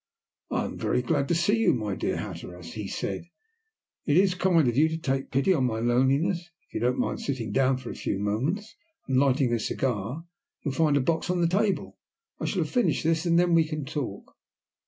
"I am very glad to see you, my dear Hatteras," he said. "It is kind of you to take pity on my loneliness. If you don't mind sitting down for a few moments, and lighting a cigar you'll find the box on the table I shall have finished this, and then we can talk."